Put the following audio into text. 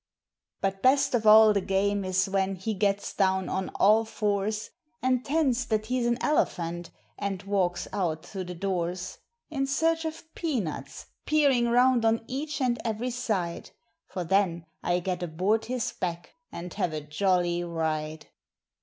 But best of all the game is when he gets down on all fours, And 'tends that he's an elephant, and walks out through the doors In search of peanuts, peering round on each and every side, For then I get aboard his back and have a jolly ride.